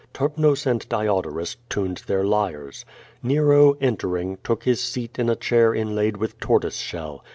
Terpnos and Diodorus tuned their lyres. Nero, entering, took his seat in a chair inlaid with tortoise shell.